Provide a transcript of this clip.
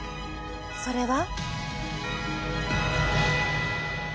それは。